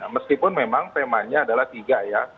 meskipun memang temanya adalah tiga ya